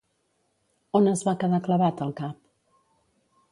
On es va quedar clavat el cap?